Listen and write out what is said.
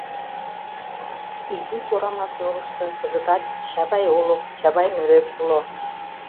Изи Корамас нурышто кызытат Чавай олык, Чавай нӧреп уло.